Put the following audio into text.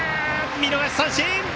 見逃し三振！